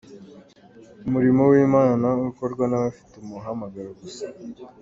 umurimo w Imana ukorwa n’ abafite umuhamagaro gusa.